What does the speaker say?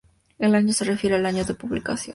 El año se refiere al año de publicación.